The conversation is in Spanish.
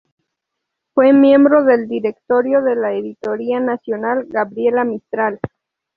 Fue miembro del directorio de la Editora Nacional Gabriela Mistral.